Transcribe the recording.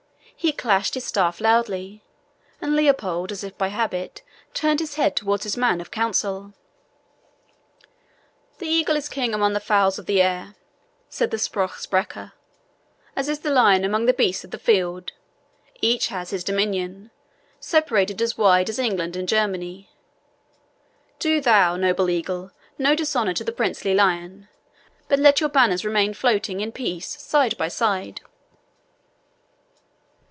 He clashed his staff loudly, and Leopold, as if by habit, turned his head towards his man of counsel. "The eagle is king among the fowls of the air," said the SPRUCH SPRECHER, "as is the lion among the beasts of the field each has his dominion, separated as wide as England and Germany. Do thou, noble eagle, no dishonour to the princely lion, but let your banners remain floating in peace side by side."